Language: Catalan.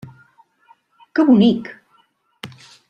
Que bonic!